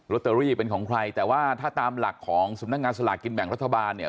เตอรี่เป็นของใครแต่ว่าถ้าตามหลักของสำนักงานสลากกินแบ่งรัฐบาลเนี่ย